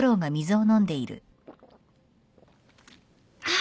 あ。